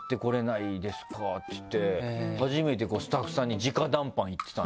初めてスタッフさんに直談判行ってたね。